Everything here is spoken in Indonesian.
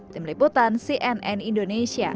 tim liputan cnn indonesia